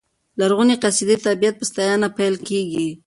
لرغونې قصیدې د طبیعت په ستاینه پیل کېږي.